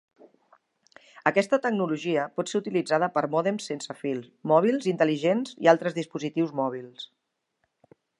Aquesta tecnologia pot ser utilitzada per mòdems sense fil, mòbils intel·ligents i altres dispositius mòbils.